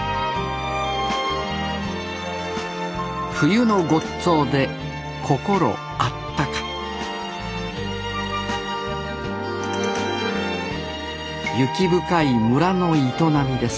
冬のごっつぉで心あったか雪深い村の営みです